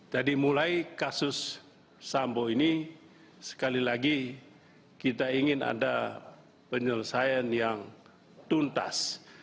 jadi mulai kasus sambu ini sekali lagi kita ingin ada penyelesaian yang tuntas